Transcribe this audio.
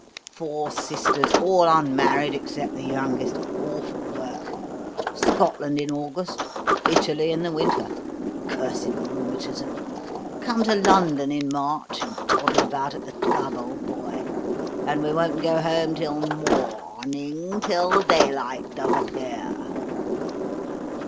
Four sisters all unmarried except the youngest awful work. Scotland in August. Italy in the winter. Cursed rheumatism. Come to London in March, and toddle about at the Club, old boy; and we won't go home till maw aw rning till daylight does appear.